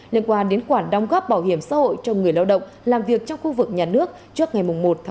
liên quan đến khoản đóng góp bảo hiểm xã hội trong người lao động làm việc trong khu vực nhà nước trước ngày một một một nghìn chín trăm chín mươi năm